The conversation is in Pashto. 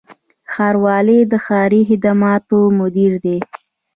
ښاروال د ښاري خدماتو مدیر دی